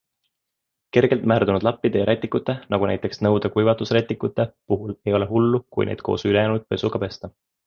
Kergelt määrdunud lappide ja rätikute, nagu näiteks nõude kuivatusrätikute, puhul ei ole hullu, kui neid koos ülejäänud pesuga pesta.